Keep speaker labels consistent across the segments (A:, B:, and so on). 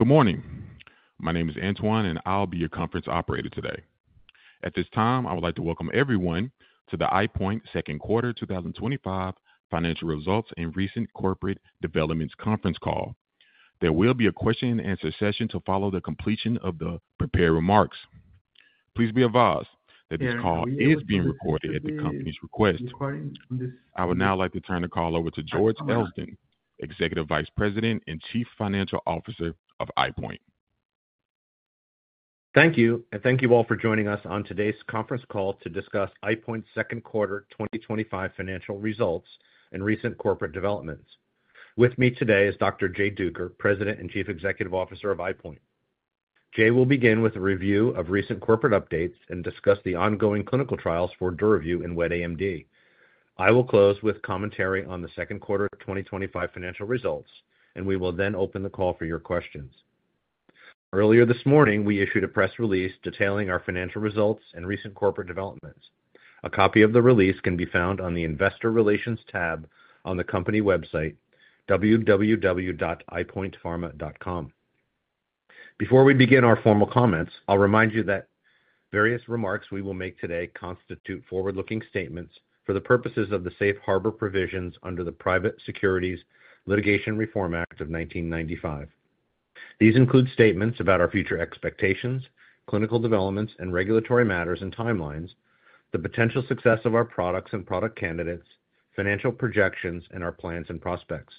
A: Good morning. My name is Antoine, and I'll be your conference operator today. At this time, I would like to welcome everyone to the EyePoint's Second Quarter 2025 Financial Results and Recent Corporate Developments Conference Call. There will be a question-and-answer session to follow the completion of the prepared remarks. Please be advised that this call is being recorded at the company's request. I would now like to turn the call over to George Elston, Executive Vice President and Chief Financial Officer of EyePoint.
B: Thank you, and thank you all for joining us on today's conference call to discuss EyePoint's Second Quarter 2025 Financial Results and Recent Corporate Developments. With me today is Dr. Jay Duker, President and Chief Executive Officer of EyePoint. Jay will begin with a review of recent corporate updates and discuss the ongoing clinical trials for DURAVYU and Wet AMD. I will close with commentary on the Second Quarter 2025 Financial Results, and we will then open the call for your questions. Earlier this morning, we issued a press release detailing our financial results and recent corporate developments. A copy of the release can be found on the Investor Relations tab on the company website, www.eyepointpharma.com. Before we begin our formal comments, I'll remind you that various remarks we will make today constitute forward-looking statements for the purposes of the Safe Harbor provisions under the Private Securities Litigation Reform Act of 1995. These include statements about our future expectations, clinical developments, and regulatory matters and timelines, the potential success of our products and product candidates, financial projections, and our plans and prospects.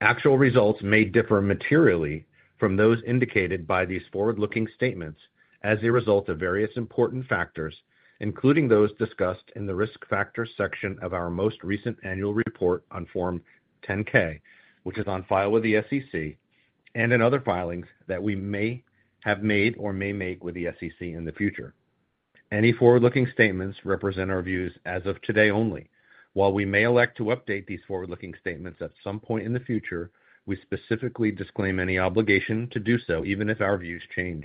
B: Actual results may differ materially from those indicated by these forward-looking statements as a result of various important factors, including those discussed in the Risk Factors section of our most recent annual report on Form 10-K, which is on file with the SEC, and in other filings that we may have made or may make with the SEC in the future. Any forward-looking statements represent our views as of today only. While we may elect to update these forward-looking statements at some point in the future, we specifically disclaim any obligation to do so, even if our views change.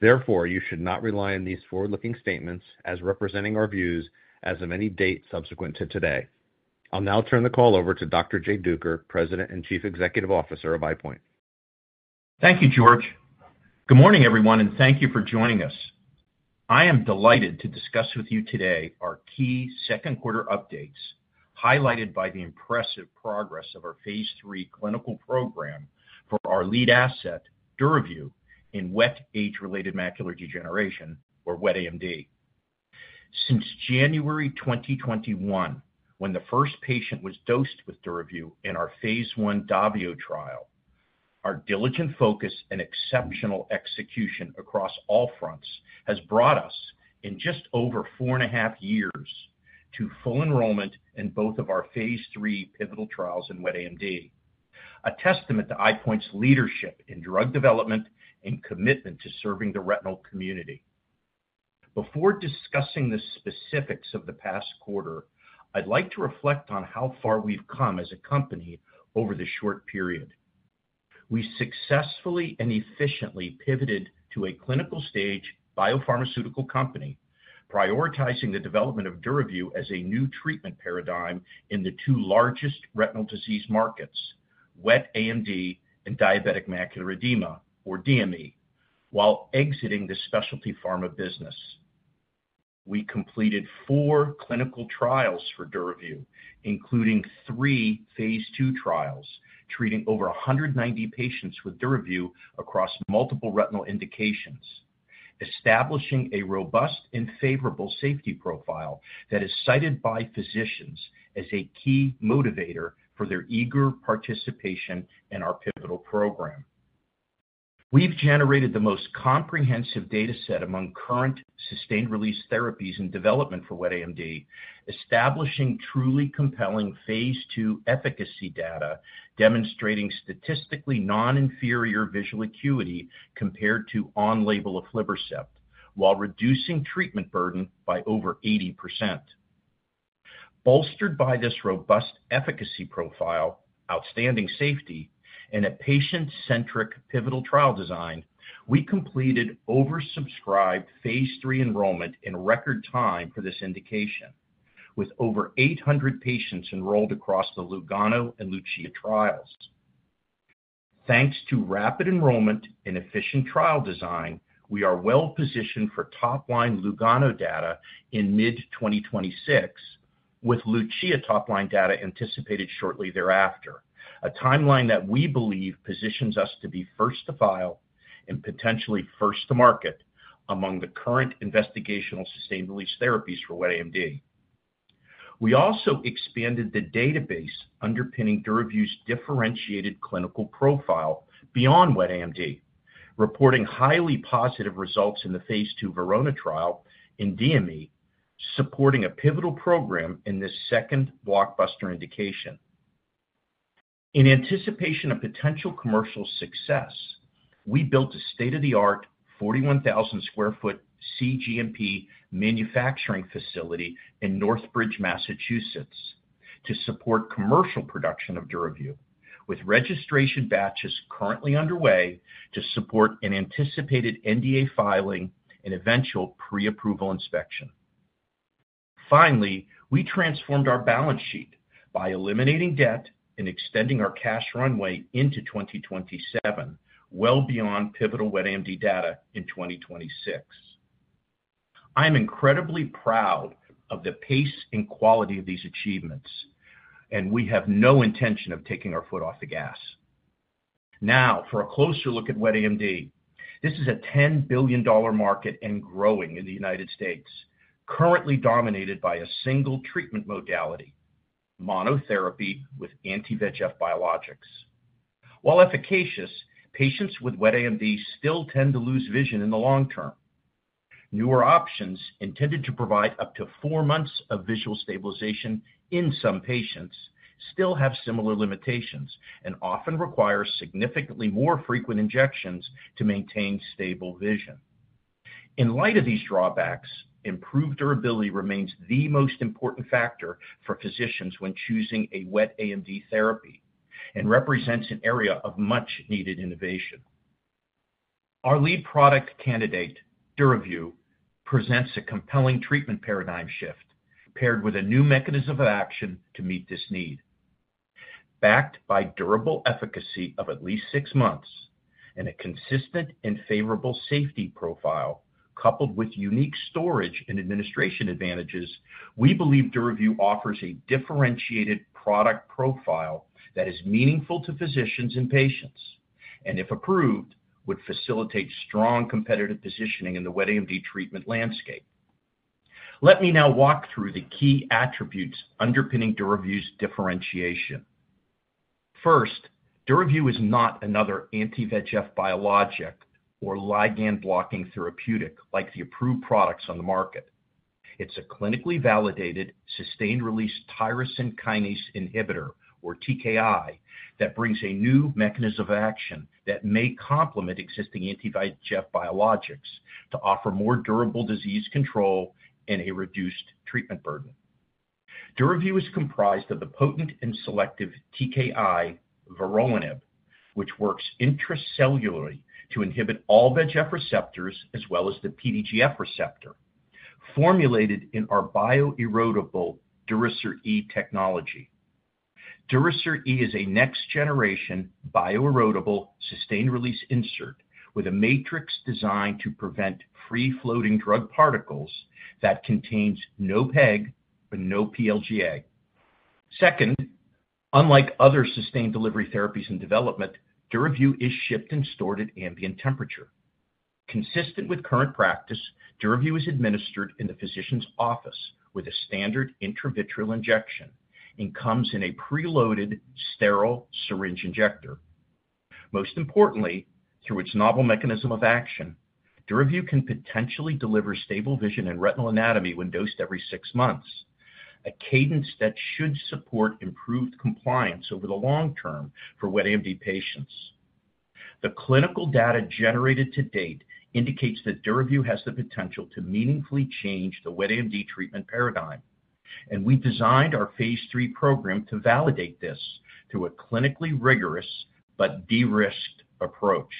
B: Therefore, you should not rely on these forward-looking statements as representing our views as of any date subsequent to today. I'll now turn the call over to Dr. Jay Duker, President and Chief Executive Officer of EyePoint.
C: Thank you, George. Good morning, everyone, and thank you for joining us. I am delighted to discuss with you today our key second quarter updates, highlighted by the impressive progress of our phase III clinical program for our lead asset, DURAVYU, in wet age-related macular degeneration, or Wet AMD. Since January 2021, when the first patient was dosed with DURAVYU in our phase I DAVIO trial, our diligent focus and exceptional execution across all fronts have brought us, in just over four and a half years, to full enrollment in both of our phase III pivotal trials in Wet AMD, a testament to EyePoint's leadership in drug development and commitment to serving the retinal physician community. Before discussing the specifics of the past quarter, I'd like to reflect on how far we've come as a company over this short period. We successfully and efficiently pivoted to a clinical stage biopharmaceutical company, prioritizing the development of DURAVYU as a new treatment paradigm in the two largest retinal disease markets, Wet AMD and diabetic macular edema, or DME, while exiting the specialty pharma business. We completed four clinical trials for DURAVYU, including three phase II trials treating over 190 patients with DURAVYU across multiple retinal indications, establishing a robust and favorable safety profile that is cited by physicians as a key motivator for their eager participation in our pivotal program. We've generated the most comprehensive dataset among current sustained-release therapies in development for Wet AMD, establishing truly compelling phase II efficacy data demonstrating statistically non-inferior visual acuity compared to on-label aflibercept while reducing treatment burden by over 80%. Bolstered by this robust efficacy profile, outstanding safety, and a patient-centric pivotal trial design, we completed oversubscribed phase III enrollment in record time for this indication, with over 800 patients enrolled across the LUGANO and LUCIA trials. Thanks to rapid enrollment and efficient trial design, we are well positioned for top-line LUGANO data in mid-2026, with LUCIA top-line data anticipated shortly thereafter, a timeline that we believe positions us to be first-to-file and potentially first-to-market among the current investigational sustained-release therapies for Wet AMD. We also expanded the database underpinning DURAVYU's differentiated clinical profile beyond Wet AMD, reporting highly positive results in the phase II VERONA trial in DME, supporting a pivotal program in this second blockbuster indication. In anticipation of potential commercial success, we built a state-of-the-art 41,000 square foot CGMP manufacturing facility in Northbridge, Massachusetts, to support commercial production of DURAVYU, with registration batches currently underway to support an anticipated NDA filing and eventual pre-approval inspection. Finally, we transformed our balance sheet by eliminating debt and extending our cash runway into 2027, well beyond pivotal Wet AMD data in 2026. I am incredibly proud of the pace and quality of these achievements, and we have no intention of taking our foot off the gas. Now, for a closer look at Wet AMD, this is a $10 billion market and growing in the United States, currently dominated by a single treatment modality, monotherapy with anti-VEGF biologics. While efficacious, patients with Wet AMD still tend to lose vision in the long term. Newer options, intended to provide up to four months of visual stabilization in some patients, still have similar limitations and often require significantly more frequent injections to maintain stable vision. In light of these drawbacks, improved durability remains the most important factor for physicians when choosing a Wet AMD therapy and represents an area of much-needed innovation. Our lead product candidate, DURAVYU, presents a compelling treatment paradigm shift paired with a new mechanism of action to meet this need. Backed by durable efficacy of at least six months and a consistent and favorable safety profile, coupled with unique storage and administration advantages, we believe DURAVYU offers a differentiated product profile that is meaningful to physicians and patients and, if approved, would facilitate strong competitive positioning in the Wet AMD treatment landscape. Let me now walk through the key attributes underpinning DURAVYU's differentiation. First, DURAVYU is not another anti-VEGF biologic or ligand-blocking therapeutic like the approved products on the market. It's a clinically validated sustained-release tyrosine kinase inhibitor, or TKI, that brings a new mechanism of action that may complement existing anti-VEGF biologics to offer more durable disease control and a reduced treatment burden. DURAVYU is comprised of the potent and selective TKI vorolanib, which works intracellularly to inhibit all VEGF receptors as well as the PDGF receptor, formulated in our bioerodible Durasert E technology. Durasert E is a next-generation bioerodible sustained-release insert with a matrix designed to prevent free-floating drug particles that contains no PEG and no PLGA. Unlike other sustained delivery therapies in development, DURAVYU is shipped and stored at ambient temperature. Consistent with current practice, DURAVYU is administered in the physician's office with a standard intravitreal injection and comes in a preloaded sterile syringe injector. Most importantly, through its novel mechanism of action, DURAVYU can potentially deliver stable vision and retinal anatomy when dosed every six months, a cadence that should support improved compliance over the long term for Wet AMD patients. The clinical data generated to date indicates that DURAVYU has the potential to meaningfully change the Wet AMD treatment paradigm, and we've designed our phase III program to validate this through a clinically rigorous but de-risked approach.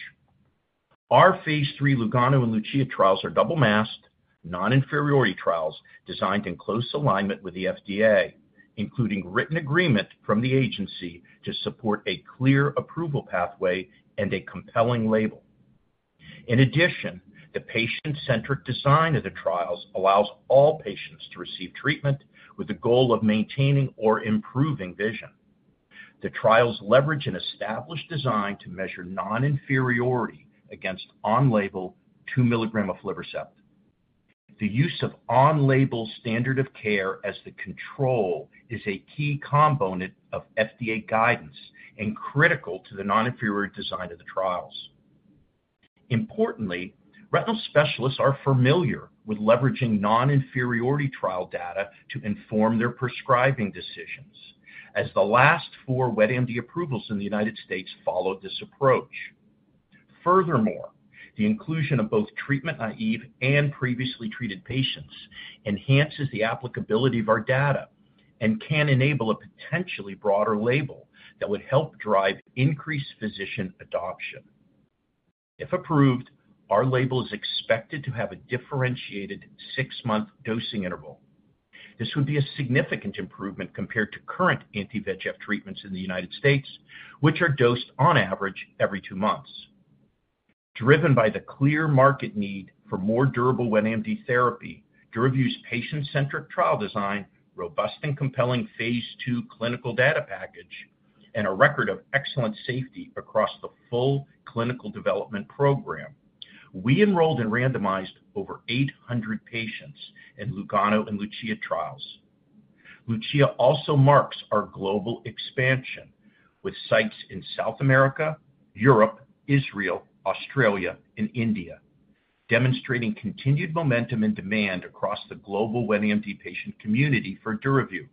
C: Our phase III LUGANO and LUCIA trials are double-masked non-inferiority trials designed in close alignment with the FDA, including written agreement from the agency to support a clear approval pathway and a compelling label. In addition, the patient-centric design of the trials allows all patients to receive treatment with the goal of maintaining or improving vision. The trials leverage an established design to measure non-inferiority against on-label 2 milligram aflibercept. The use of on-label standard of care as the control is a key component of FDA guidance and critical to the non-inferiority design of the trials. Retinal specialists are familiar with leveraging non-inferiority trial data to inform their prescribing decisions, as the last four Wet AMD approvals in the United States follow this approach. Furthermore, the inclusion of both treatment-naive and previously treated patients enhances the applicability of our data and can enable a potentially broader label that would help drive increased physician adoption. If approved, our label is expected to have a differentiated six-month dosing interval. This would be a significant improvement compared to current anti-VEGF treatments in the United States, which are dosed on average every two months. Driven by the clear market need for more durable Wet AMD therapy, DURAVYU's patient-centric trial design, robust and compelling phase II clinical data package, and a record of excellent safety across the full clinical development program, we enrolled and randomized over 800 patients in LUGANO and LUCIA trials. LUCIA also marks our global expansion with sites in South America, Europe, Israel, Australia, and India, demonstrating continued momentum and demand across the global Wet AMD patient community for DURAVYU.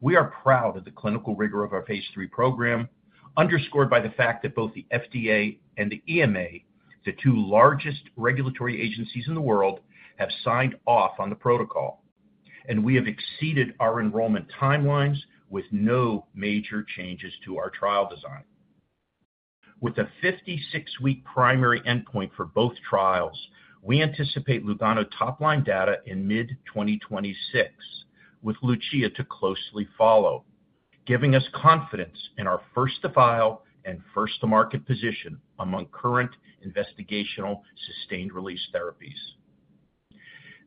C: We are proud of the clinical rigor of our phase III program, underscored by the fact that both the FDA and the EMA, the two largest regulatory agencies in the world, have signed off on the protocol, and we have exceeded our enrollment timelines with no major changes to our trial design. With a 56-week primary endpoint for both trials, we anticipate LUGANO top-line data in mid-2026, with LUCIA to closely follow, giving us confidence in our first-to-file and first-to-market position among current investigational sustained-release therapies.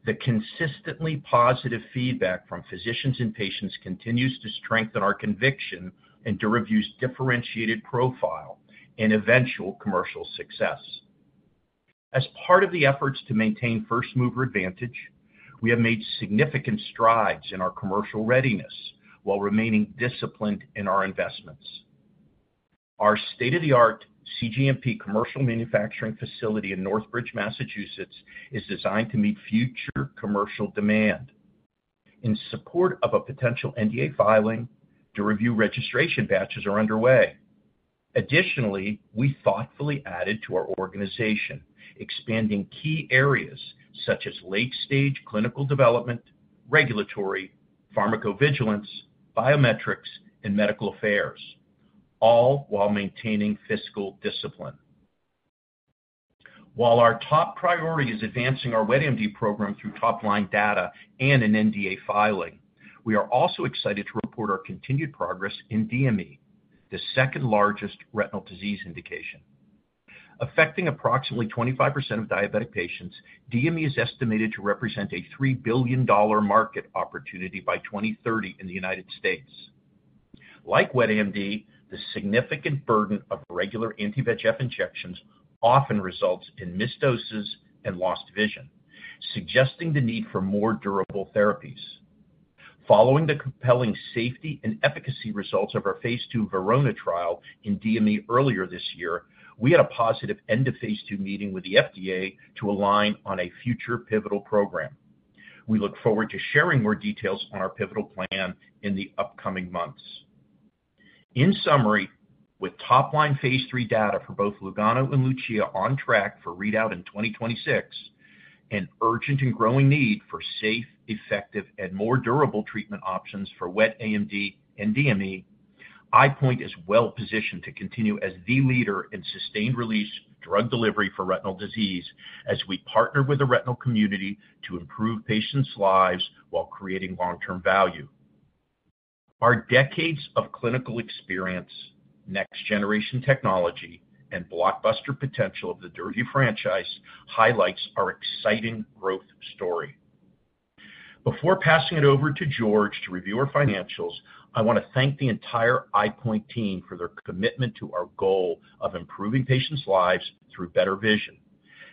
C: The consistently positive feedback from physicians and patients continues to strengthen our conviction in DURAVYU's differentiated profile and eventual commercial success. As part of the efforts to maintain first-mover advantage, we have made significant strides in our commercial readiness while remaining disciplined in our investments. Our state-of-the-art CGMP commercial manufacturing facility in Northbridge, Massachusetts, is designed to meet future commercial demand. In support of a potential NDA filing, DURAVYU registration batches are underway. Additionally, we thoughtfully added to our organization, expanding key areas such as late-stage clinical development, regulatory, pharmacovigilance, biometrics, and medical affairs, all while maintaining fiscal discipline. While our top priority is advancing our Wet AMD program through top-line data and an NDA filing, we are also excited to report our continued progress in DME, the second largest retinal disease indication. Affecting approximately 25% of diabetic patients, DME is estimated to represent a $3 billion market opportunity by 2030 in the United States. Like Wet AMD, the significant burden of regular anti-VEGF injections often results in missed doses and lost vision, suggesting the need for more durable therapies. Following the compelling safety and efficacy results of our phase II VERONA trial in DME earlier this year, we had a positive end-of-phase II meeting with the FDA to align on a future pivotal program. We look forward to sharing more details on our pivotal plan in the upcoming months. In summary, with top-line phase III data for both LUGANO and LUCIA on track for readout in 2026 and urgent and growing need for safe, effective, and more durable treatment options for Wet AMD and DME, EyePoint is well positioned to continue as the leader in sustained-release drug delivery for retinal disease as we partner with the retinal physician community to improve patients' lives while creating long-term value. Our decades of clinical experience, next-generation technology, and blockbuster potential of the DURAVYU franchise highlight our exciting growth story. Before passing it over to George to review our financials, I want to thank the entire EyePoint team for their commitment to our goal of improving patients' lives through better vision,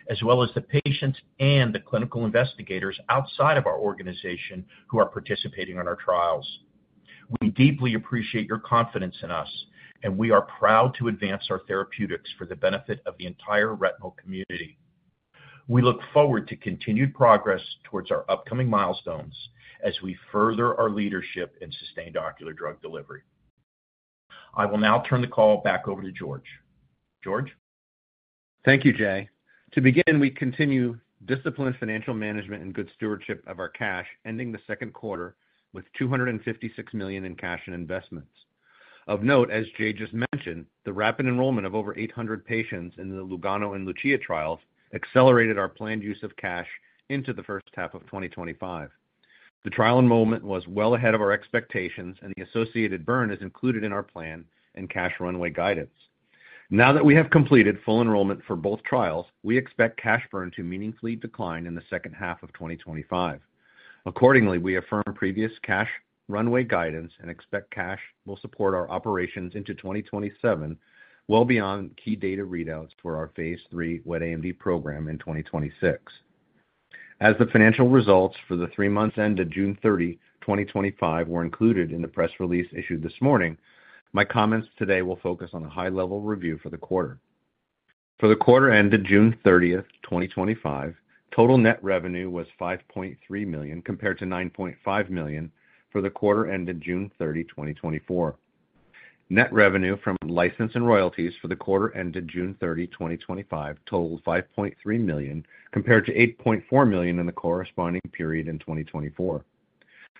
C: as well as the patients and the clinical investigators outside of our organization who are participating in our trials. We deeply appreciate your confidence in us, and we are proud to advance our therapeutics for the benefit of the entire retinal community. We look forward to continued progress towards our upcoming milestones as we further our leadership in sustained ocular drug delivery. I will now turn the call back over to George. George?
B: Thank you, Jay. To begin, we continue disciplined financial management and good stewardship of our cash, ending the second quarter with $256 million in cash and investments. Of note, as Jay just mentioned, the rapid enrollment of over 800 patients in the LUGANO and LUCIA trials accelerated our planned use of cash into the first half of 2025. The trial enrollment was well ahead of our expectations, and the associated burn is included in our plan and cash runway guidance. Now that we have completed full enrollment for both trials, we expect cash burn to meaningfully decline in the second half of 2025. Accordingly, we affirm previous cash runway guidance and expect cash will support our operations into 2027, well beyond key data readouts for our phase III Wet AMD program in 2026. As the financial results for the three months ended June 30, 2025, were included in the press release issued this morning, my comments today will focus on a high-level review for the quarter. For the quarter ended June 30th, 2025, total net revenue was $5.3 million compared to $9.5 million for the quarter ended June 30, 2024. Net revenue from license and royalties for the quarter ended June 30, 2025 totaled $5.3 million compared to $8.4 million in the corresponding period in 2024.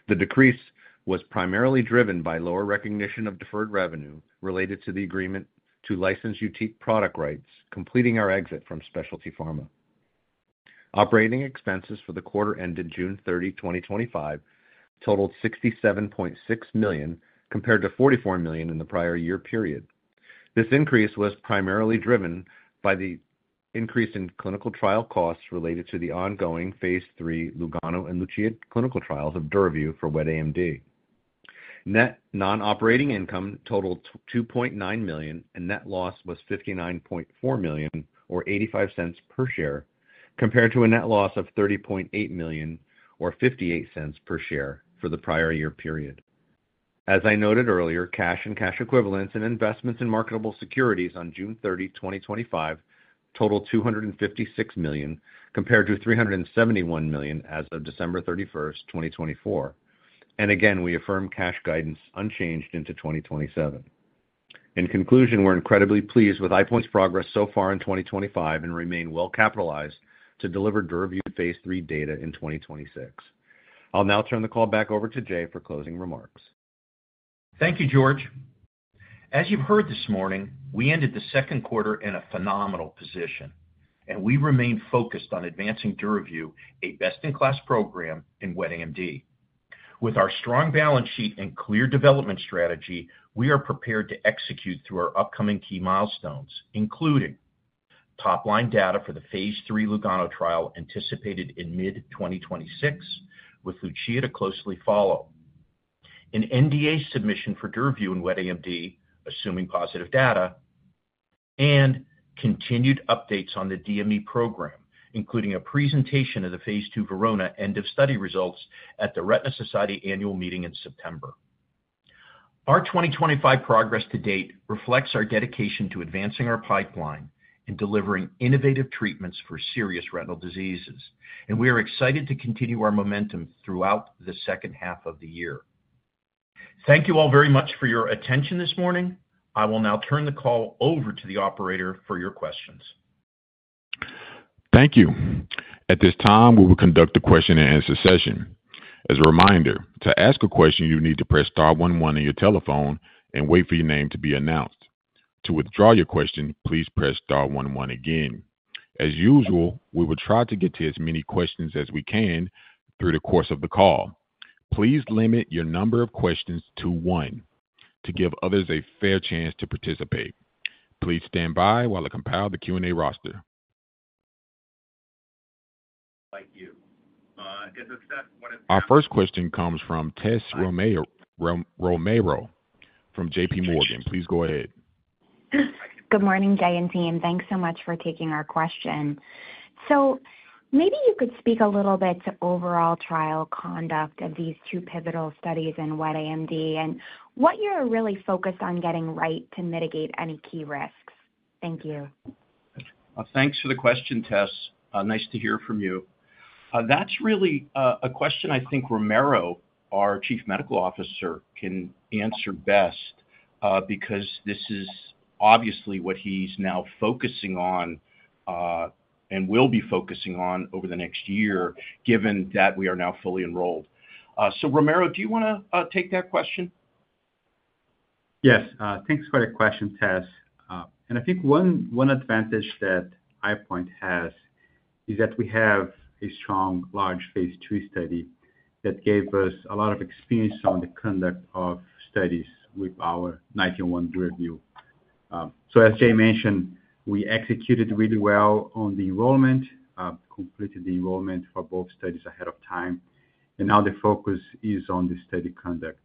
B: The decrease was primarily driven by lower recognition of deferred revenue related to the agreement to license boutique product rights, completing our exit from specialty pharma. Operating expenses for the quarter ended June 30, 2025 totaled $67.6 million compared to $44 million in the prior year period. This increase was primarily driven by the increase in clinical trial costs related to the ongoing phase III LUGANO and LUCIA clinical trials of DURAVYU for Wet AMD. Net non-operating income totaled $2.9 million, and net loss was $59.4 million or $0.85 per share compared to a net loss of $30.8 million or $0.58 per share for the prior year period. As I noted earlier, cash and cash equivalents and investments in marketable securities on June 30, 2025 totaled $256 million compared to $371 million as of December 31st, 2024. We affirm cash guidance unchanged into 2027. In conclusion, we're incredibly pleased with EyePoint's progress so far in 2025 and remain well capitalized to deliver DURAVYU phase III data in 2026. I'll now turn the call back over to Jay for closing remarks.
C: Thank you, George. As you've heard this morning, we ended the second quarter in a phenomenal position, and we remain focused on advancing DURAVYU, a best-in-class program in Wet AMD. With our strong balance sheet and clear development strategy, we are prepared to execute through our upcoming key milestones, including top-line data for the phase III LUGANO trial anticipated in mid-2026, with LUCIA to closely follow, an NDA submission for DURAVYU in Wet AMD, assuming positive data, and continued updates on the DME program, including a presentation of the phase II VERONA end-of-study results at the Retina Society annual meeting in September. Our 2025 progress to date reflects our dedication to advancing our pipeline and delivering innovative treatments for serious retinal diseases, and we are excited to continue our momentum throughout the second half of the year. Thank you all very much for your attention this morning. I will now turn the call over to the operator for your questions.
A: Thank you. At this time, we will conduct a question-and-answer session. As a reminder, to ask a question, you need to press star one one on your telephone and wait for your name to be announced. To withdraw your question, please press star one one again. As usual, we will try to get to as many questions as we can through the course of the call. Please limit your number of questions to one to give others a fair chance to participate. Please stand by while I compile the Q&A roster. Our first question comes from Tess Romero from JPMorgan. Please go ahead.
D: Good morning, Jay and team. Thanks so much for taking our question. Maybe you could speak a little bit to overall trial conduct of these two pivotal studies in Wet AMD and what you're really focused on getting right to mitigate any key risks. Thank you.
C: Thank you for the question, Tess. Nice to hear from you. That's really a question I think Ramiro, our Chief Medical Officer, can answer best because this is obviously what he's now focusing on and will be focusing on over the next year, given that we are now fully enrolled. So Ramiro, do you want to take that question?
E: Yes. Thanks for the question, Tess. I think one advantage that EyePoint has is that we have a strong, large phase III study that gave us a lot of experience on the conduct of studies with our DURAVYU. As Jay mentioned, we executed really well on the enrollment, completed the enrollment for both studies ahead of time, and now the focus is on the study conduct.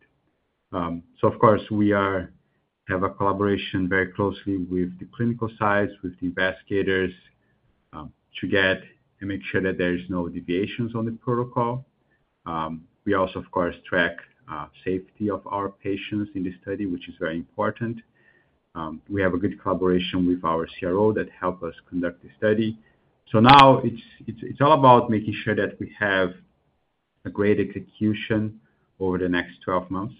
E: Of course, we have a collaboration very closely with the clinical sites, with the investigators, to get and make sure that there are no deviations on the protocol. We also, of course, track the safety of our patients in the study, which is very important. We have a good collaboration with our CRO that helps us conduct the study. Now it's all about making sure that we have a great execution over the next 12 months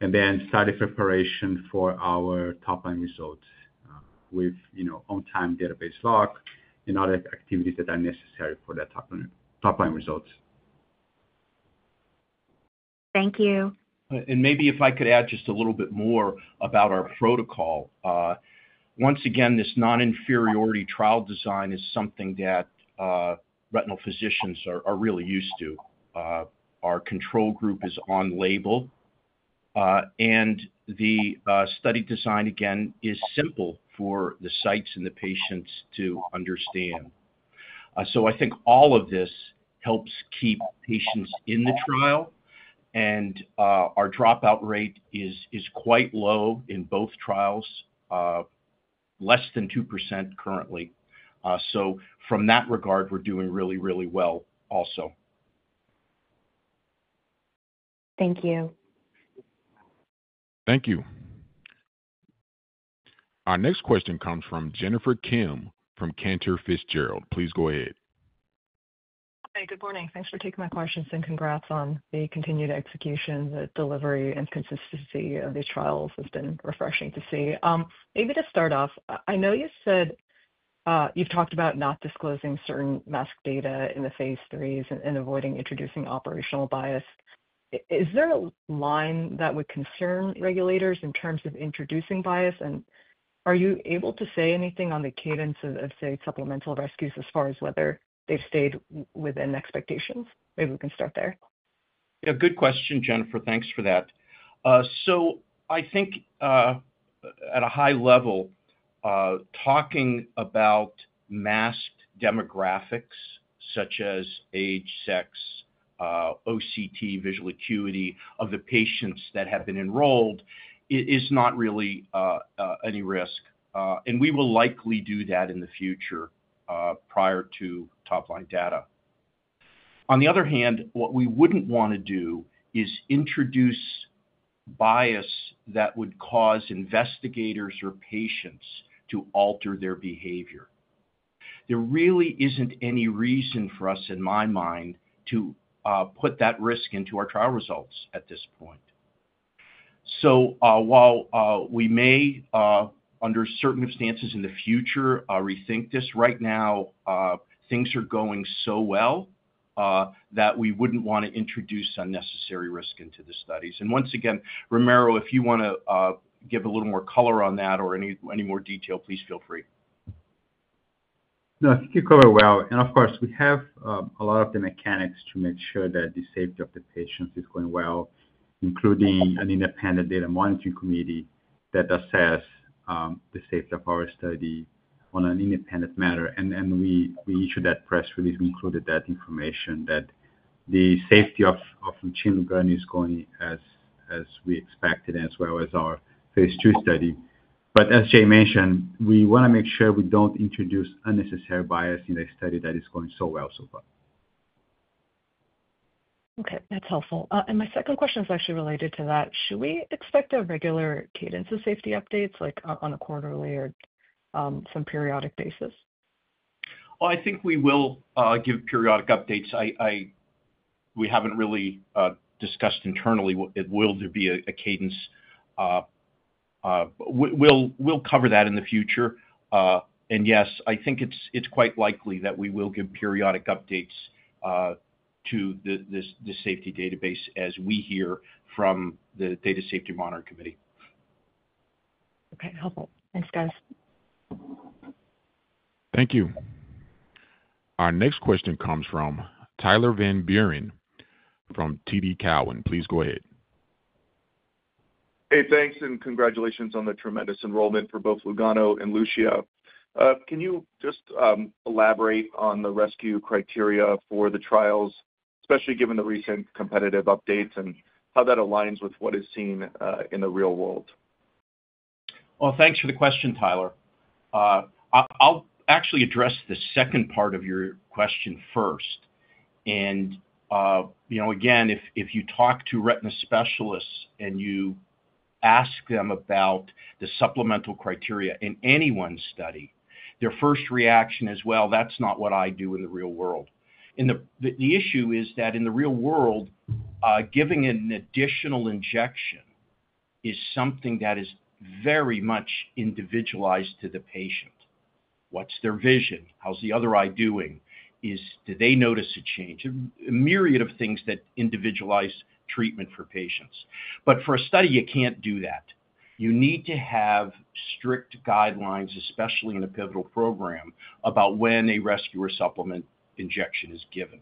E: and then start a preparation for our top-line results with on-time database lock and other activities that are necessary for the top-line results.
D: Thank you.
C: Maybe if I could add just a little bit more about our protocol. Once again, this non-inferiority trial design is something that retinal physicians are really used to. Our control group is on label, and the study design, again, is simple for the sites and the patients to understand. I think all of this helps keep patients in the trial, and our dropout rate is quite low in both trials, less than 2% currently. From that regard, we're doing really, really well also.
D: Thank you.
A: Thank you. Our next question comes from Jennifer Kim from Cantor Fitzgerald. Please go ahead.
F: Hey, good morning. Thanks for taking my questions and congrats on the continued execution, the delivery, and consistency of these trials. It's been refreshing to see. Maybe to start off, I know you said you've talked about not disclosing certain mask data in the phase IIIs and avoiding introducing operational bias. Is there a line that would concern regulators in terms of introducing bias? Are you able to say anything on the cadence of, say, supplemental rescues as far as whether they've stayed within expectations? Maybe we can start there.
C: Yeah, good question, Jennifer. Thanks for that. I think at a high level, talking about masked demographics such as age, sex, OCT, visual acuity of the patients that have been enrolled is not really any risk, and we will likely do that in the future prior to top-line data. On the other hand, what we wouldn't want to do is introduce bias that would cause investigators or patients to alter their behavior. There really isn't any reason for us, in my mind, to put that risk into our trial results at this point. While we may, under certain circumstances in the future, rethink this, right now things are going so well that we wouldn't want to introduce unnecessary risk into the studies. Once again, Ramiro, if you want to give a little more color on that or any more detail, please feel free.
E: No, I think you covered it well. Of course, we have a lot of the mechanics to make sure that the safety of the patients is going well, including an independent data monitoring committee that assesses the safety of our study on an independent matter. We issued that press release and included that information that the safety of LUCIA and LUGANO is going as we expected, as well as our phase II study. As Jay mentioned, we want to make sure we don't introduce unnecessary bias in a study that is going so well so far.
F: Okay, that's helpful. My second question is actually related to that. Should we expect a regular cadence of safety updates, like on a quarterly or some periodic basis?
C: I think we will give periodic updates. We haven't really discussed internally whether there will be a cadence. We'll cover that in the future. Yes, I think it's quite likely that we will give periodic updates to the safety database as we hear from the data safety monitoring committee.
F: Okay, helpful. Thanks guys.
A: Thank you. Our next question comes from Tyler Van Buren from TD Cowen. Please go ahead.
G: Hey, thanks, and congratulations on the tremendous enrollment for both LUGANO and LUCIA. Can you just elaborate on the rescue criteria for the trials, especially given the recent competitive updates and how that aligns with what is seen in the real world?
C: Thank you for the question, Tyler. I'll actually address the second part of your question first. If you talk to retina specialists and you ask them about the supplemental criteria in anyone's study, their first reaction is, "Well, that's not what I do in the real world." The issue is that in the real world, giving an additional injection is something that is very much individualized to the patient. What's their vision? How's the other eye doing? Do they notice a change? A myriad of things that individualize treatment for patients. For a study, you can't do that. You need to have strict guidelines, especially in a pivotal program, about when a rescue or supplement injection is given.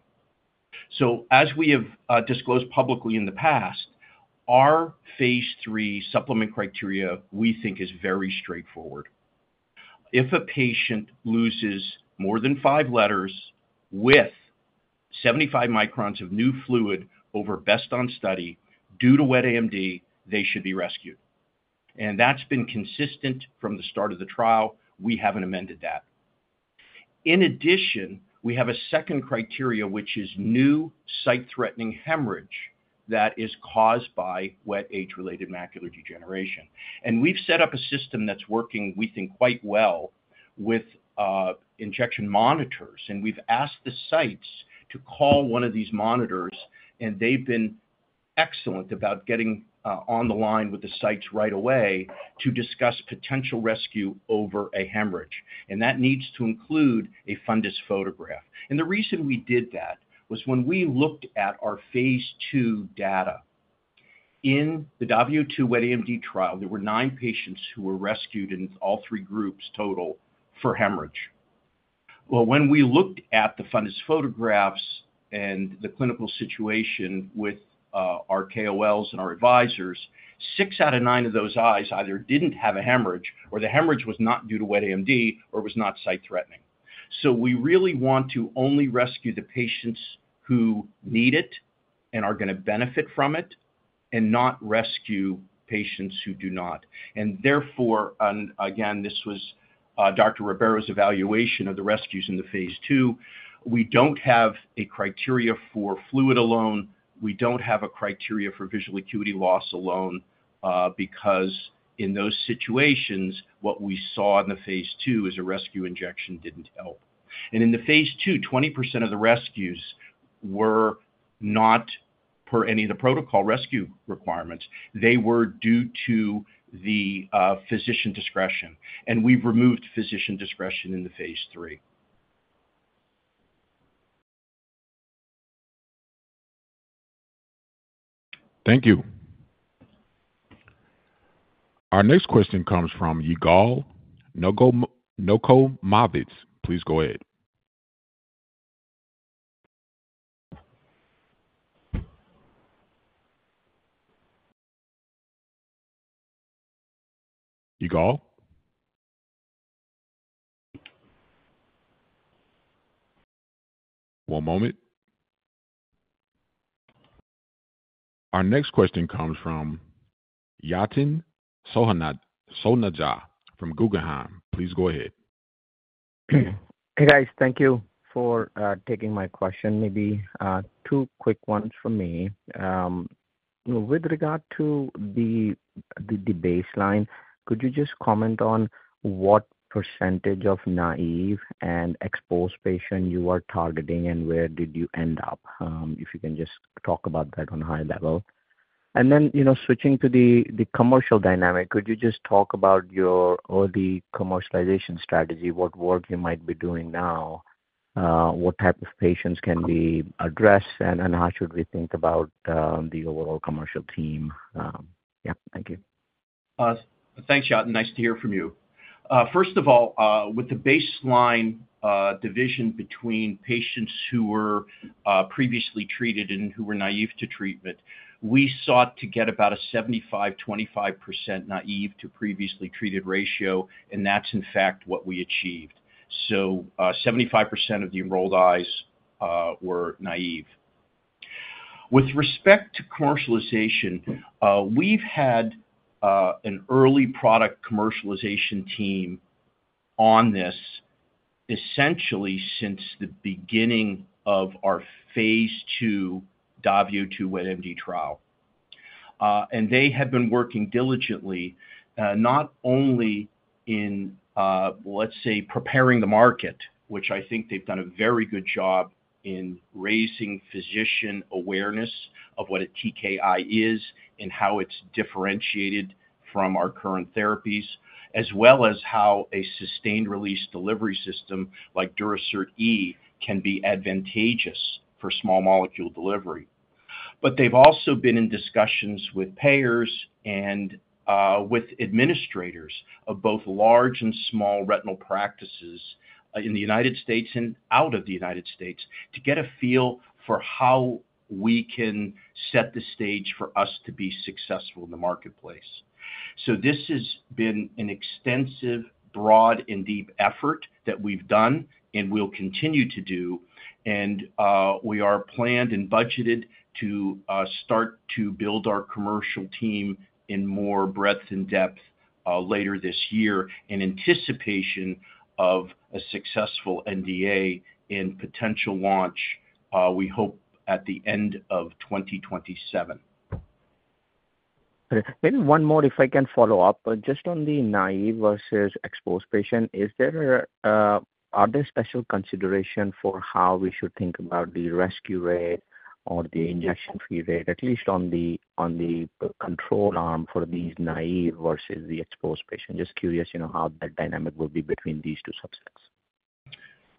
C: As we have disclosed publicly in the past, our phase III supplement criteria, we think, is very straightforward. If a patient loses more than five letters with 75 microns of new fluid over best on study due to Wet AMD, they should be rescued. That's been consistent from the start of the trial. We haven't amended that. In addition, we have a second criteria, which is new site-threatening hemorrhage that is caused by wet age-related macular degeneration. We've set up a system that's working, we think, quite well with injection monitors. We've asked the sites to call one of these monitors, and they've been excellent about getting on the line with the sites right away to discuss potential rescue over a hemorrhage. That needs to include a fundus photograph. The reason we did that was when we looked at our phase II data in the DAVIO 2 Wet AMD trial, there were nine patients who were rescued in all three groups total for hemorrhage. When we looked at the fundus photographs and the clinical situation with our KOLs and our advisors, six out of nine of those eyes either didn't have a hemorrhage or the hemorrhage was not due to Wet AMD or was not site-threatening. We really want to only rescue the patients who need it and are going to benefit from it and not rescue patients who do not. Therefore, this was Dr. Ribeiro's evaluation of the rescues in the phase II. We don't have a criteria for fluid alone. We don't have a criteria for visual acuity loss alone because in those situations, what we saw in the phase II as a rescue injection didn't help. In the phase II, 20% of the rescues were not per any of the protocol rescue requirements. They were due to the physician discretion. We've removed physician discretion in the phase III.
A: Thank you. Our next question comes from Yigal Nochomovitz. Please go ahead. Yigal? One moment. Our next question comes from Yatin Suneja from Guggenheim. Please go ahead.
H: Hey, guys. Thank you for taking my question. Maybe two quick ones from me. With regard to the baseline, could you just comment on what % of naive and exposed patients you are targeting and where did you end up? If you can just talk about that on a high level. Switching to the commercial dynamic, could you just talk about your early commercialization strategy, what work you might be doing now, what type of patients can be addressed, and how should we think about the overall commercial team? Yeah, thank you.
C: Awesome. Thanks, Yatin. Nice to hear from you. First of all, with the baseline division between patients who were previously treated and who were naive to treatment, we sought to get about a 75%/25% naive-to-previously-treated ratio, and that's, in fact, what we achieved. So 75% of the enrolled eyes were naive. With respect to commercialization, we've had an early product commercialization team on this essentially since the beginning of our phase II DAVIO 2 Wet AMD trial. They had been working diligently, not only in, let's say, preparing the market, which I think they've done a very good job in raising physician awareness of what a TKI is and how it's differentiated from our current therapies, as well as how a sustained-release delivery system like Durasert E can be advantageous for small molecule delivery. They've also been in discussions with payers and with administrators of both large and small retinal practices in the United States and out of the United States to get a feel for how we can set the stage for us to be successful in the marketplace. This has been an extensive, broad, and deep effort that we've done and will continue to do. We are planned and budgeted to start to build our commercial team in more breadth and depth later this year in anticipation of a successful NDA and potential launch, we hope, at the end of 2027.
H: Maybe one more if I can follow up. Just on the naive versus exposed patient, is there a special consideration for how we should think about the rescue rate or the injection fee rate, at least on the control arm for these naive versus the exposed patient? Just curious to know how that dynamic would be between these two subsets.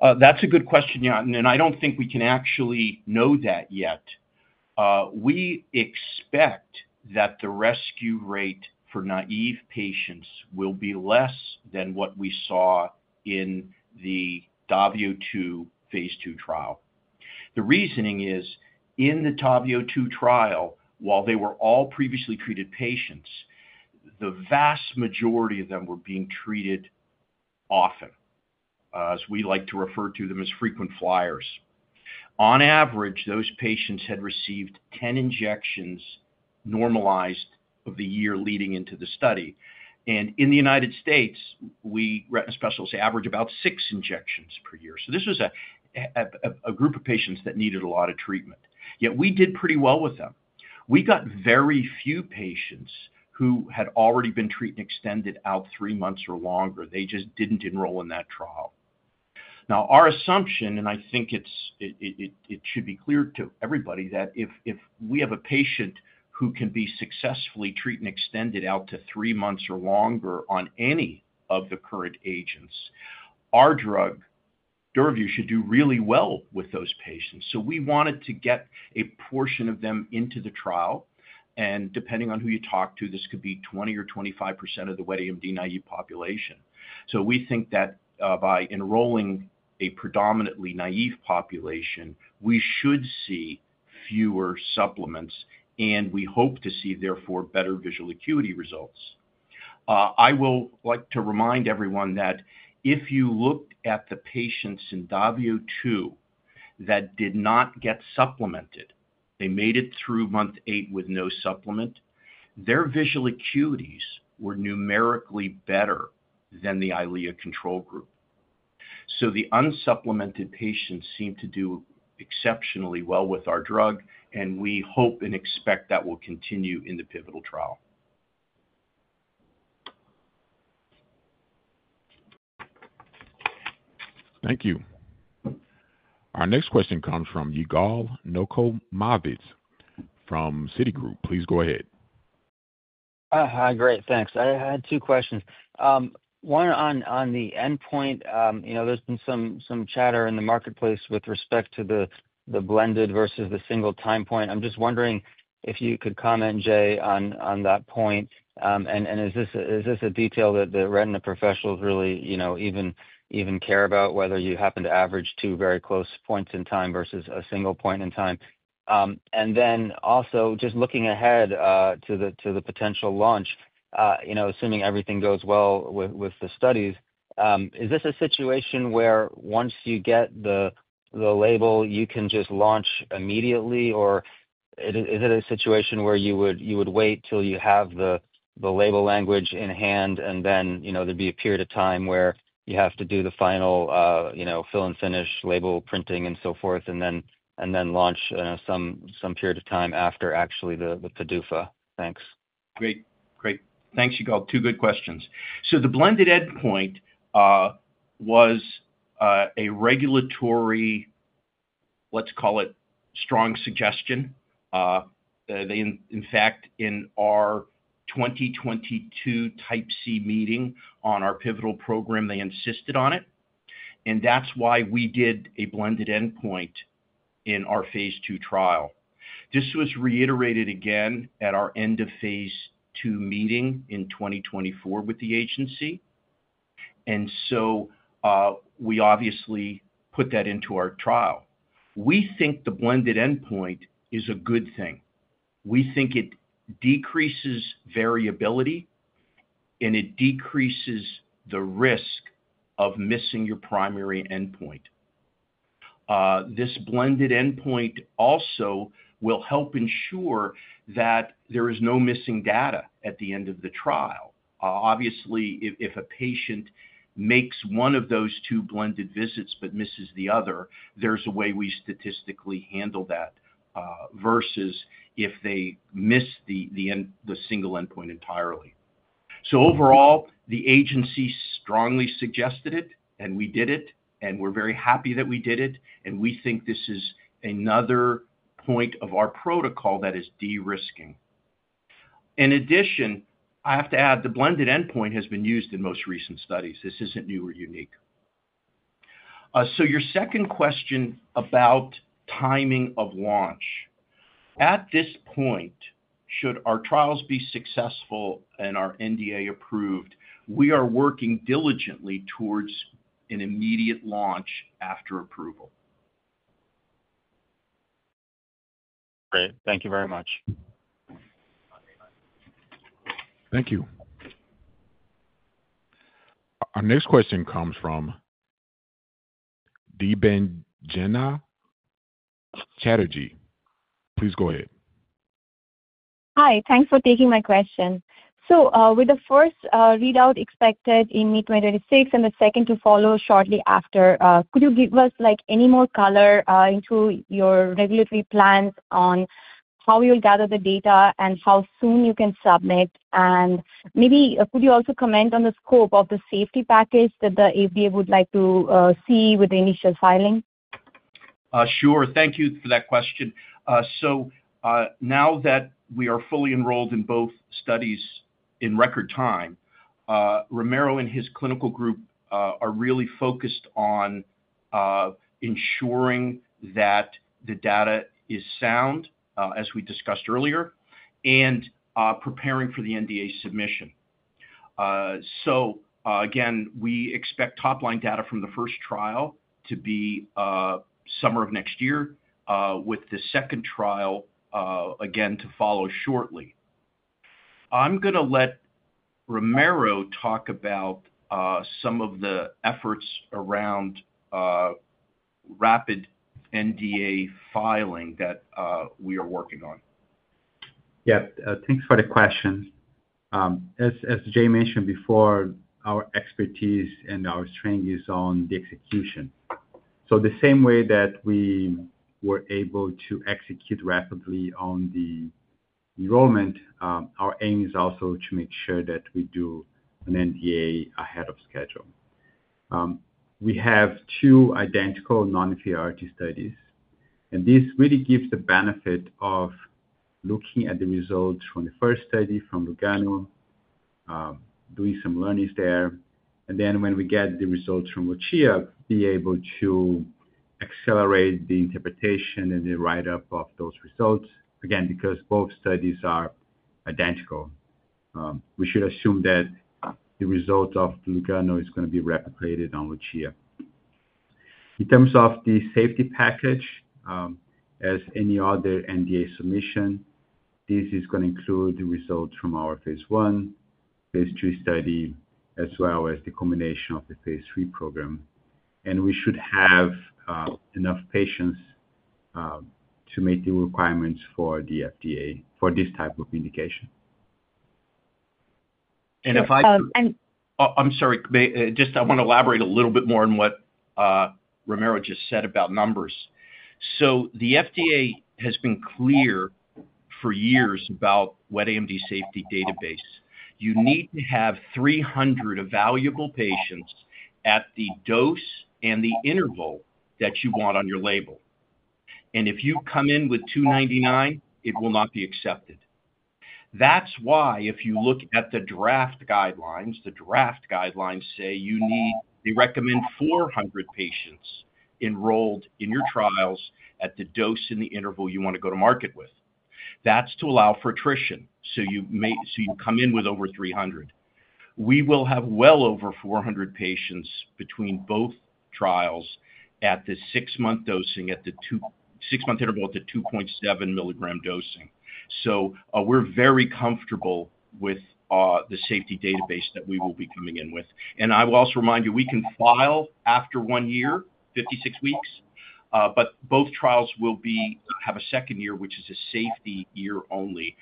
C: That's a good question, Yatin. I don't think we can actually know that yet. We expect that the rescue rate for naive patients will be less than what we saw in the DAVIO 2 phase II trial. The reasoning is in the DAVIO 2 trial, while they were all previously treated patients, the vast majority of them were being treated often, as we like to refer to them as frequent flyers. On average, those patients had received 10 injections normalized over the year leading into the study. In the United States, we retina specialists average about six injections per year. This was a group of patients that needed a lot of treatment, yet we did pretty well with them. We got very few patients who had already been treating extended out three months or longer. They just didn't enroll in that trial. Our assumption, and I think it should be clear to everybody, is that if we have a patient who can be successfully treating extended out to three months or longer on any of the current agents, our drug, DURAVYU, should do really well with those patients. We wanted to get a portion of them into the trial. Depending on who you talk to, this could be 20% or 25% of the Wet AMD naive population. We think that by enrolling a predominantly naive population, we should see fewer supplements, and we hope to see, therefore, better visual acuity results. I will like to remind everyone that if you looked at the patients in DAVIO 2 that did not get supplemented, they made it through month eight with no supplement, their visual acuities were numerically better than the Eylea control group. The unsupplemented patients seem to do exceptionally well with our drug, and we hope and expect that will continue in the pivotal trial.
A: Thank you. Our next question comes from Yigal Nochomovitz from Citigroup. Please go ahead.
I: Hi, great. Thanks. I had two questions. One on the endpoint. There's been some chatter in the marketplace with respect to the blended versus the single time point. I'm just wondering if you could comment, Jay, on that point. Is this a detail that the retina professionals really even care about, whether you happen to average two very close points in time versus a single point in time? Also, just looking ahead to the potential launch, assuming everything goes well with the studies, is this a situation where once you get the label, you can just launch immediately, or is it a situation where you would wait till you have the label language in hand and then there'd be a period of time where you have to do the final fill and finish label printing and so forth and then launch some period of time after actually the PDUFA? Thanks.
C: Great, great. Thanks, Yigal. Two good questions. The blended endpoint was a regulatory, let's call it, strong suggestion. In fact, in our 2022 Type C meeting on our pivotal program, they insisted on it. That's why we did a blended endpoint in our phase II trial. This was reiterated again at our end-of-phase II meeting in 2024 with the agency. We obviously put that into our trial. We think the blended endpoint is a good thing. We think it decreases variability, and it decreases the risk of missing your primary endpoint. This blended endpoint also will help ensure that there is no missing data at the end of the trial. Obviously, if a patient makes one of those two blended visits but misses the other, there's a way we statistically handle that versus if they miss the single endpoint entirely. Overall, the agency strongly suggested it, and we did it, and we're very happy that we did it. We think this is another point of our protocol that is de-risking. In addition, I have to add the blended endpoint has been used in most recent studies. This isn't new or unique. Your second question about timing of launch. At this point, should our trials be successful and our NDA approved, we are working diligently towards an immediate launch after approval.
I: Great, thank you very much.
A: Thank you. Our next question comes from Dibanjana Chatterjee. Please go ahead. Hi. Thanks for taking my question. With the first readout expected in mid-2026 and the second to follow shortly after, could you give us any more color into your regulatory plans on how you'll gather the data and how soon you can submit? Maybe could you also comment on the scope of the safety package that the FDA would like to see with the initial filing?
C: Sure. Thank you for that question. Now that we are fully enrolled in both studies in record time, Ramiro and his clinical group are really focused on ensuring that the data is sound, as we discussed earlier, and preparing for the NDA submission. We expect top-line data from the first trial to be summer of next year, with the second trial to follow shortly. I'm going to let Ramiro talk about some of the efforts around rapid NDA filing that we are working on.
E: Yeah, thanks for the question. As Jay mentioned before, our expertise and our strength is on the execution. The same way that we were able to execute rapidly on the enrollment, our aim is also to make sure that we do an NDA ahead of schedule. We have two identical non-inferiority studies, and this really gives the benefit of looking at the results from the first study from LUGANO, doing some learnings there. When we get the results from LUCIA, be able to accelerate the interpretation and the write-up of those results. Again, because both studies are identical, we should assume that the result of LUGANO is going to be replicated on LUCIA. In terms of the safety package, as any other NDA submission, this is going to include the results from our phase I, phase II study, as well as the combination of the phase III program. We should have enough patients to meet the requirements for the FDA for this type of indication.
C: I'm sorry. I want to elaborate a little bit more on what Ramiro just said about numbers. The FDA has been clear for years about Wet AMD safety database. You need to have 300 evaluable patients at the dose and the interval that you want on your label. If you come in with 299, it will not be accepted. If you look at the draft guidelines, the draft guidelines say you need—we recommend 400 patients enrolled in your trials at the dose and the interval you want to go to market with. That is to allow for attrition, so you come in with over 300. We will have well over 400 patients between both trials at the six-month dosing, at the six-month interval at the 2.7 milligram dosing. We are very comfortable with the safety database that we will be coming in with. I will also remind you, we can file after one year, 56 weeks, but both trials will have a second year, which is a safety year only.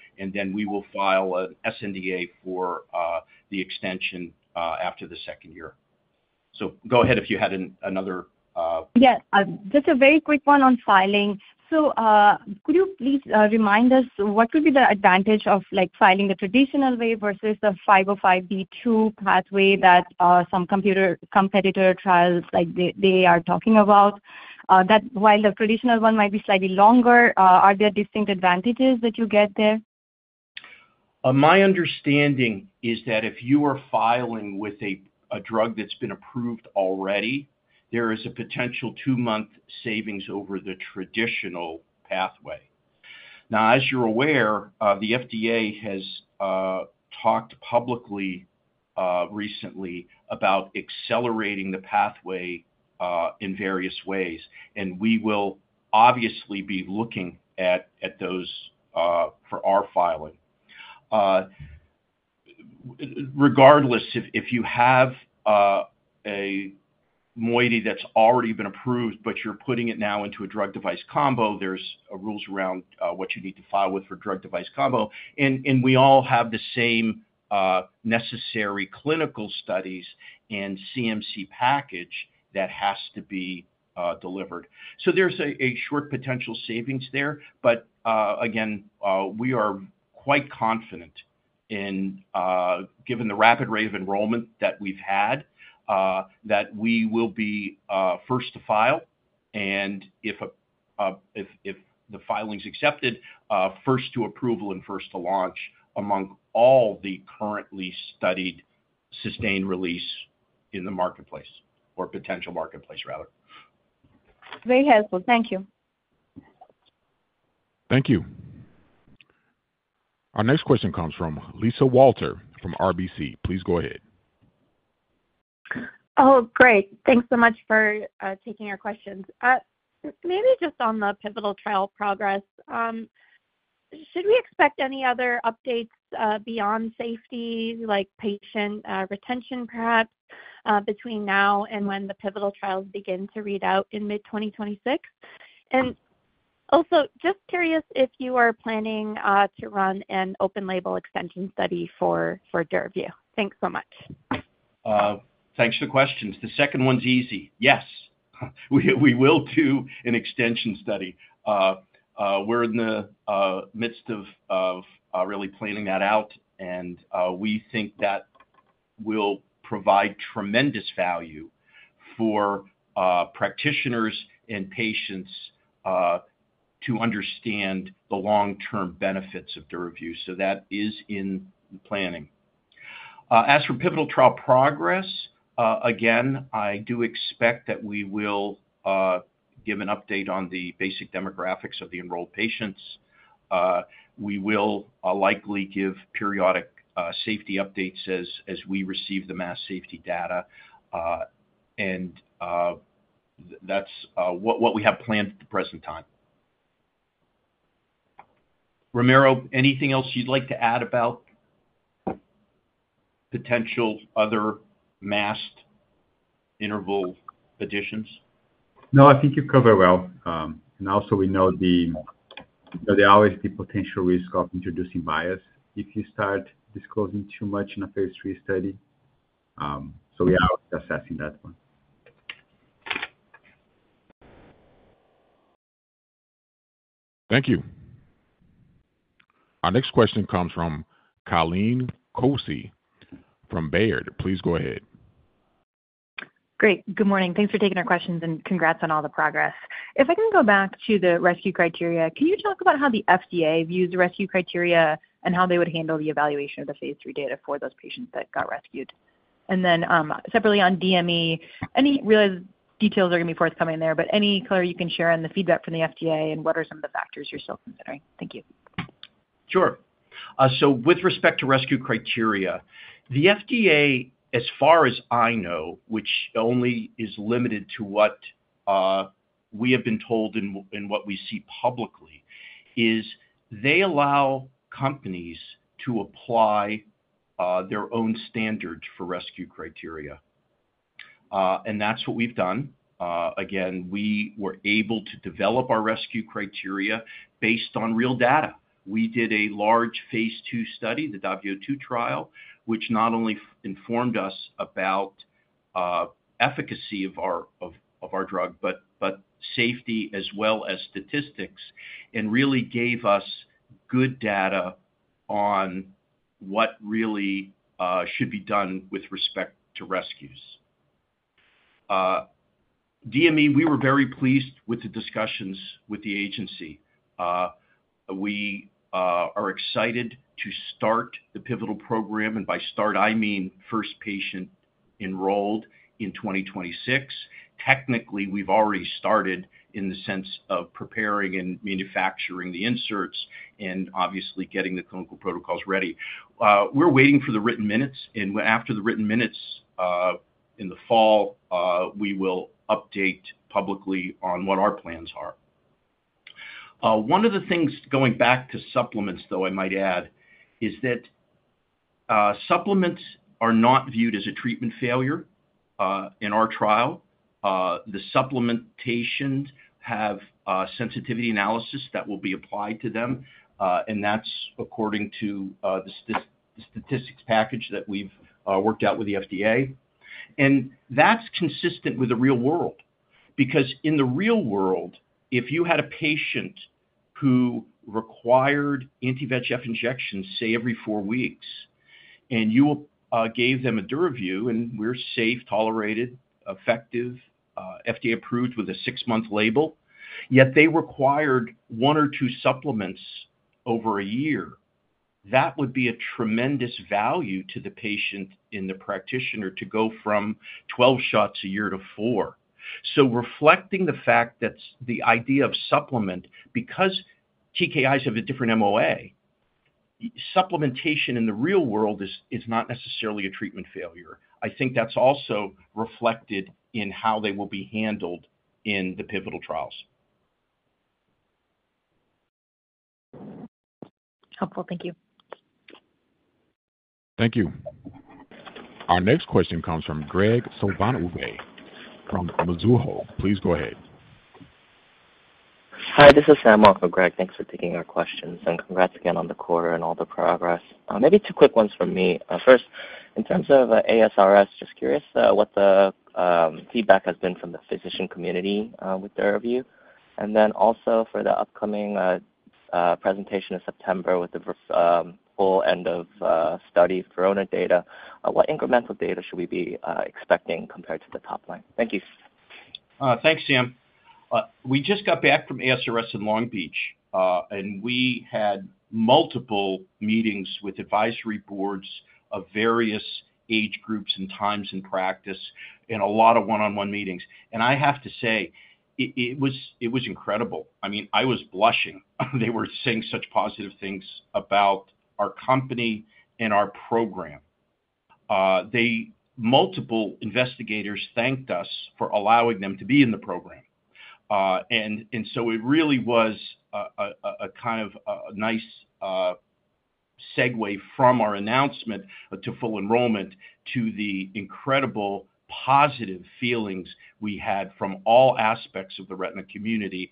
C: We will file an SNDA for the extension after the second year. Go ahead if you had another— Yes, just a very quick one on filing. Could you please remind us what would be the advantage of filing the traditional way versus the 505(b)(2) pathway that some competitor trials like they are talking about? While the traditional one might be slightly longer, are there distinct advantages that you get there? My understanding is that if you are filing with a drug that's been approved already, there is a potential two-month savings over the traditional pathway. As you're aware, the FDA has talked publicly recently about accelerating the pathway in various ways. We will obviously be looking at those for our filing. Regardless, if you have a moiety that's already been approved, but you're putting it now into a drug-device combo, there are rules around what you need to file with for drug-device combo. We all have the same necessary clinical studies and CMC package that has to be delivered. There's a short potential savings there. We are quite confident, given the rapid rate of enrollment that we've had, that we will be first to file. If the filing is accepted, first to approval and first to launch among all the currently studied sustained-release in the marketplace or potential marketplace, rather. Very helpful. Thank you.
A: Thank you. Our next question comes from Lisa Walter from RBC. Please go ahead.
J: Oh, great. Thanks so much for taking our questions. Maybe just on the pivotal trial progress, should we expect any other updates beyond safety, like patient retention, perhaps, between now and when the pivotal trials begin to read out in mid-2026? Also, just curious if you are planning to run an open-label extension study for DURAVYU. Thanks so much.
C: Thanks for the questions. The second one's easy. Yes. We will do an extension study. We're in the midst of really planning that out, and we think that will provide tremendous value for practitioners and patients to understand the long-term benefits of DURAVYU. That is in planning. As for pivotal trial progress, I do expect that we will give an update on the basic demographics of the enrolled patients. We will likely give periodic safety updates as we receive the mass safety data. That's what we have planned at the present time. Ramiro, anything else you'd like to add about potential other masked interval additions?
E: I think you covered well. We know the always the potential risk of introducing bias if you start disclosing too much in a phase III study. We are always assessing that one.
A: Thank you. Our next question comes from Colleen Kusy from Baird. Please go ahead.
K: Great. Good morning. Thanks for taking our questions and congrats on all the progress. If I can go back to the rescue criteria, can you talk about how the FDA views the rescue criteria and how they would handle the evaluation of the phase III data for those patients that got rescued? Separately on DME, any real details are going to be forthcoming there, but any color you can share on the feedback from the FDA and what are some of the factors you're still considering? Thank you.
C: Sure. With respect to rescue criteria, the FDA, as far as I know, which only is limited to what we have been told and what we see publicly, allows companies to apply their own standards for rescue criteria. That's what we've done. We were able to develop our rescue criteria based on real data. We did a large phase II study, the DAVIO 2 trial, which not only informed us about the efficacy of our drug, but safety as well as statistics and really gave us good data on what really should be done with respect to rescues. DME, we were very pleased with the discussions with the agency. We are excited to start the pivotal program, and by start, I mean first patient enrolled in 2026. Technically, we've already started in the sense of preparing and manufacturing the inserts and obviously getting the clinical protocols ready. We're waiting for the written minutes, and after the written minutes in the fall, we will update publicly on what our plans are. One of the things going back to supplements, I might add, is that supplements are not viewed as a treatment failure in our trial. The supplementations have sensitivity analysis that will be applied to them, and that's according to the statistics package that we've worked out with the FDA. That's consistent with the real world because in the real world, if you had a patient who required anti-VEGF injections, say, every four weeks, and you gave them a DURAVYU, and we're safe, tolerated, effective, FDA approved with a six-month label, yet they required one or two supplements over a year, that would be a tremendous value to the patient and the practitioner to go from 12 shots a year to 4. Reflecting the fact that the idea of supplement, because TKIs have a different MOA, supplementation in the real world is not necessarily a treatment failure. I think that's also reflected in how they will be handled in the pivotal trials.
K: Helpful. Thank you.
A: Thank you. Our next question comes from Greg Silvanouve from Mizuho. Please go ahead. Hi. This is Sam on for Greg, thanks for taking our questions and congrats again on the quarter and all the progress. Maybe two quick ones from me. First, in terms of ASRS, just curious what the feedback has been from the physician community with DURAVYU. Also, for the upcoming presentation in September with the full end-of-study VERONA data, what incremental data should we be expecting compared to the top line? Thank you.
C: Thanks, Sam. We just got back from ASRS in Long Beach, and we had multiple meetings with advisory boards of various age groups and times in practice and a lot of one-on-one meetings. I have to say, it was incredible. I mean, I was blushing. They were saying such positive things about our company and our program. Multiple investigators thanked us for allowing them to be in the program. It really was a kind of nice segue from our announcement to full enrollment to the incredible positive feelings we had from all aspects of the retina community,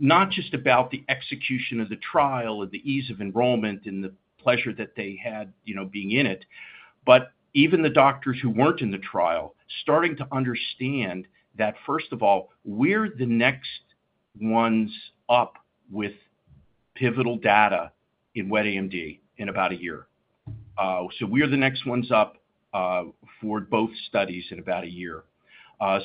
C: not just about the execution of the trial and the ease of enrollment and the pleasure that they had being in it, but even the doctors who weren't in the trial starting to understand that, first of all, we're the next ones up with pivotal data in Wet AMD in about a year. We're the next ones up for both studies in about a year.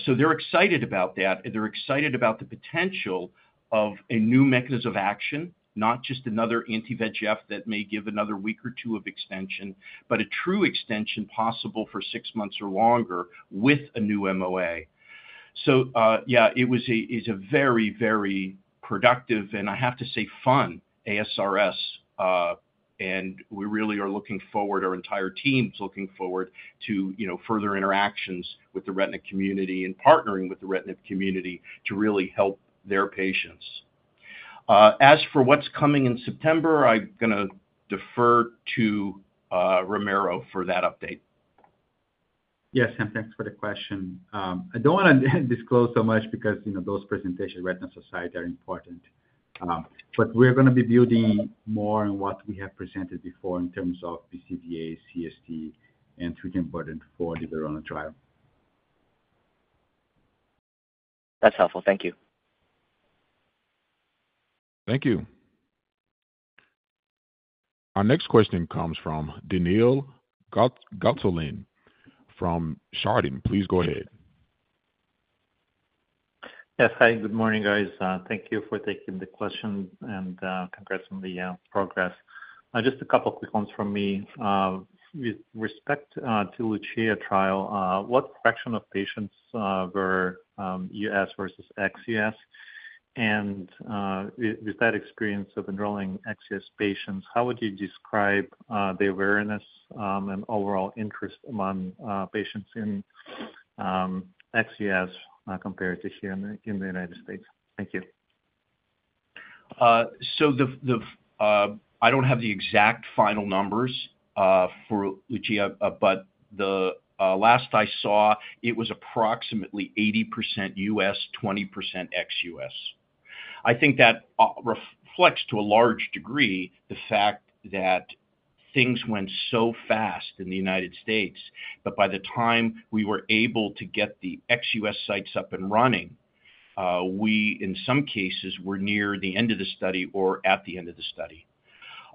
C: They're excited about that, and they're excited about the potential of a new mechanism of action, not just another anti-VEGF that may give another week or two of extension, but a true extension possible for six months or longer with a new MOA. It was a very, very productive, and I have to say, fun ASRS, and we really are looking forward, our entire team is looking forward to further interactions with the retina community and partnering with the retina community to really help their patients. As for what's coming in September, I'm going to defer to Ramiro for that update.
E: Yes, Sam, thanks for the question. I don't want to disclose so much because, you know, those presentations in the Retina Society are important. We're going to be building more on what we have presented before in terms of BCVA, CST, and 3GM burden for the VERONA trial. That's helpful. Thank you.
A: Thank you. Our next question comes from Daniil Gataulin from Chardan. Please go ahead.
L: Yes. Hi. Good morning, guys. Thank you for taking the question and congrats on the progress. Just a couple of quick ones from me. With respect to LUCIA trial, what fraction of patients were U.S. versus ex-U.S.? With that experience of enrolling ex-U.S. patients, how would you describe the awareness and overall interest among patients in ex-U.S. compared to here in the United States? Thank you.
C: I don't have the exact final numbers for LUCIA, but the last I saw, it was approximately 80% U.S., 20% ex-U.S. I think that reflects to a large degree the fact that things went so fast in the United States that by the time we were able to get the ex-U.S. sites up and running, we, in some cases, were near the end of the study or at the end of the study.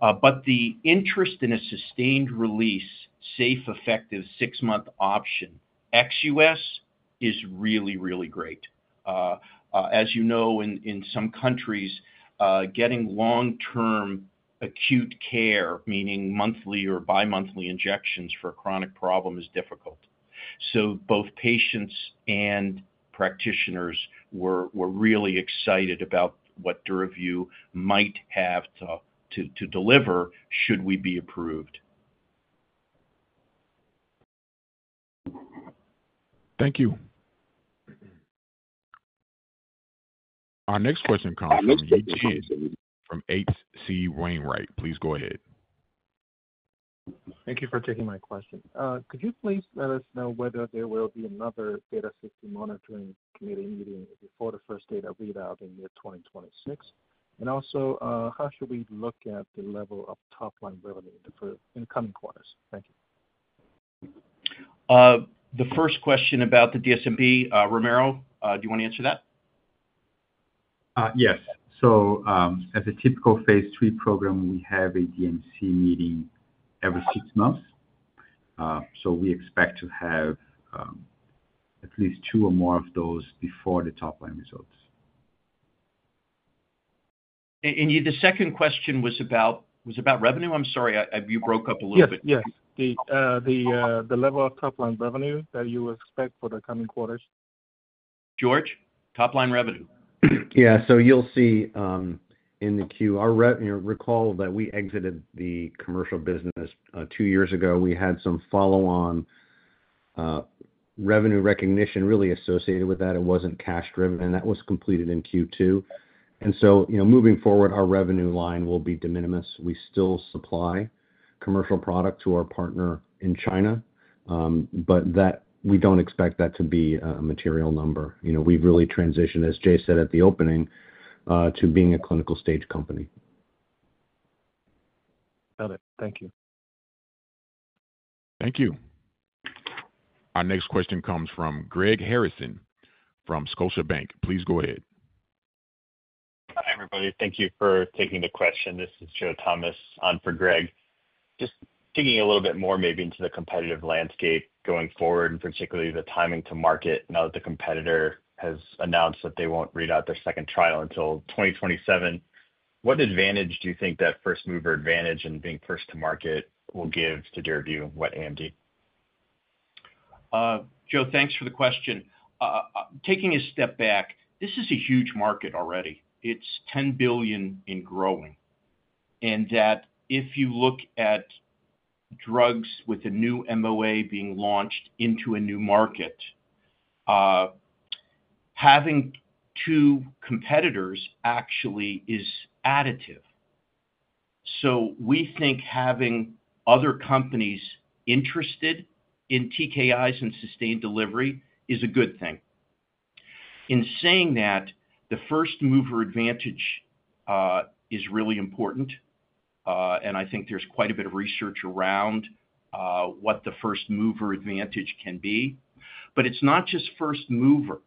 C: The interest in a sustained-release, safe, effective, six-month option ex-U.S. is really, really great. As you know, in some countries, getting long-term acute care, meaning monthly or bi-monthly injections for a chronic problem, is difficult. Both patients and practitioners were really excited about what DURAVYU might have to deliver should we be approved.
A: Thank you. Our next question comes from from H.C. Wainwright. Please go ahead.
M: Thank you for taking my question. Could you please let us know whether there will be another data safety monitoring meeting before the first data readout in mid-2026? Also, how should we look at the level of top-line revenue in the coming quarters?
C: The first question about the DSMB, Ramiro, do you want to answer that?
E: Yes. As a typical phase III program, we have a DMC meeting every six months. We expect to have at least two or more of those before the top-line results.
C: The second question was about revenue? I'm sorry. You broke up a little bit.
M: Yes, yes. The level of top-line revenue that you expect for the coming quarters.
C: George? Top-line revenue.
B: Yeah. You'll see in the Q, recall that we exited the commercial business two years ago. We had some follow-on revenue recognition really associated with that. It wasn't cash-driven, and that was completed in Q2. Moving forward, our revenue line will be de minimis. We still supply commercial product to our partner in China, but we don't expect that to be a material number. We've really transitioned, as Jay said at the opening, to being a clinical stage company. Got it. Thank you.
A: Thank you. Our next question comes from Greg Harrison from Scotiabank. Please go ahead.
N: Hi, everybody. Thank you for taking the question. This is Joe Thomas on for Greg. Just digging a little bit more maybe into the competitive landscape going forward, and particularly the timing to market now that the competitor has announced that they won't read out their second trial until 2027. What advantage do you think that first-mover advantage in being first to market will give to DURAVYU Wet AMD?
C: Joe, thanks for the question. Taking a step back, this is a huge market already. It's $10 billion and growing. If you look at drugs with a new MOA being launched into a new market, having two competitors actually is additive. We think having other companies interested in TKIs and sustained delivery is a good thing. The first-mover advantage is really important. I think there's quite a bit of research around what the first-mover advantage can be. It's not just first mover.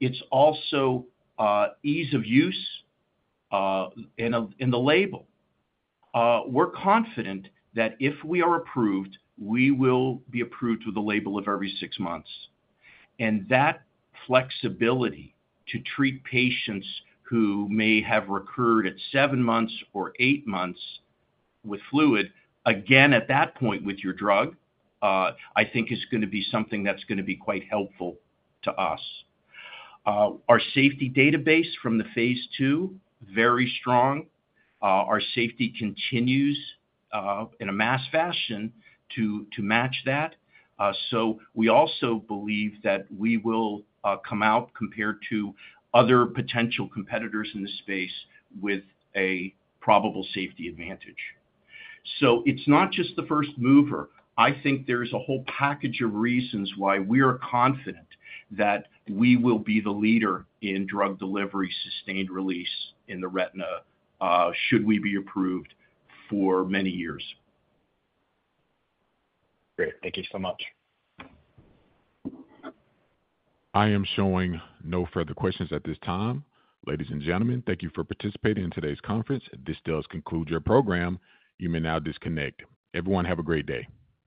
C: It's also ease of use and the label. We're confident that if we are approved, we will be approved with a label of every six months. That flexibility to treat patients who may have recurred at seven months or eight months with fluid, again, at that point with your drug, I think is going to be something that's going to be quite helpful to us. Our safety database from the phase II, very strong. Our safety continues in a mass fashion to match that. We also believe that we will come out compared to other potential competitors in this space with a probable safety advantage. It's not just the first mover. I think there's a whole package of reasons why we are confident that we will be the leader in drug delivery, sustained release in the retina should we be approved for many years.
N: Great. Thank you so much.
A: I am showing no further questions at this time. Ladies and gentlemen, thank you for participating in today's conference. This does conclude your program. You may now disconnect. Everyone, have a great day.